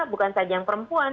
bukan saja yang perempuan